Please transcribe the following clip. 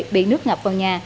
bị nước ngập vào nhà